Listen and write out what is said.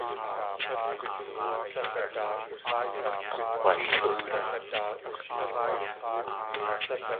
Akg̲walʼóon.